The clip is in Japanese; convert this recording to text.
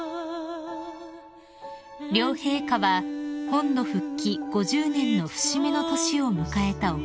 ［両陛下は本土復帰５０年の節目の年を迎えた沖縄へ］